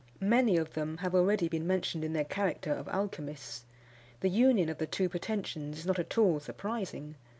Many of them have been already mentioned in their character of alchymists. The union of the two pretensions is not at all surprising.